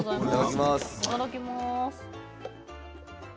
いただきます。